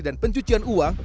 dan pencucian uang